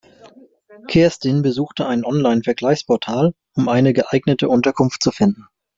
Kerstin besuchte ein Online-Vergleichsportal, um eine geeignete Unterkunft zu finden.